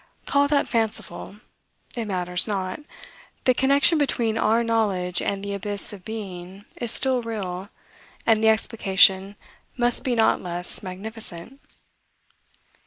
Call that fanciful, it matters not; the connection between our knowledge and the abyss of being is still real, and the explication must be not less magnificent.